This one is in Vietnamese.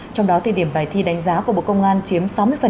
trong đó thì điểm bài thi đánh giá của bộ công an chiếm sáu mươi